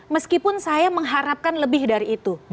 meskipun saya mengharapkan lebih dari itu